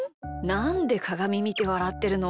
なんでかがみみてわらってるの？